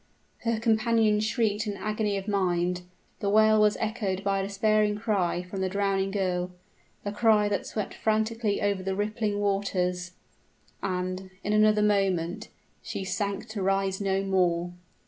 Her companions shrieked in agony of mind the wail was echoed by a despairing cry from the drowning girl a cry that swept frantically over the rippling waters; and, in another moment, she sank to rise no more!